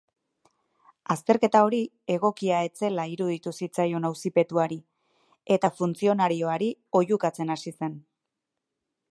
Azterketa hori egokia ez zela iruditu zitzaion auzipetuari eta funtzionarioari oihukatzen hasi zen.